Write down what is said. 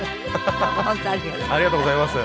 本当ありがとうございました。